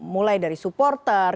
mulai dari supporter